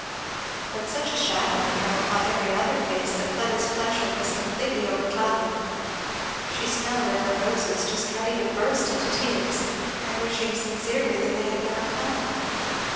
But such a shadow had come upon every other face that Fleda's pleasure was completely overclouded. She smelled at her roses, just ready to burst into tears, and wishing sincerely that they had never come.